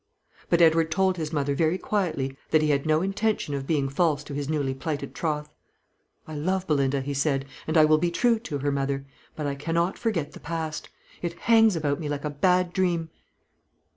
But Edward told his mother, very quietly, that he had no intention of being false to his newly plighted troth. "I love Belinda," he said; "and I will be true to her, mother. But I cannot forget the past; it hangs about me like a bad dream."